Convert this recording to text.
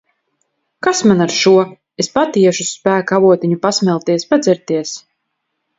Kas man ar šo! Es pati iešu uz Spēka avotiņu pasmelties, padzerties.